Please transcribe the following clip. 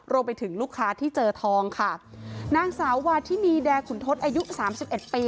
รวมไปถึงลูกค้าที่เจอทองค่ะนางสาววาทินีแดขุนทศอายุสามสิบเอ็ดปี